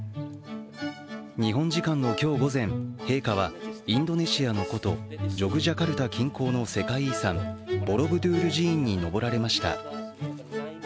日本時間の今日午前、陛下はインドネシアの古都・ジョクジャカルタ近郊の世界遺産ボロブドゥール寺院に上られました。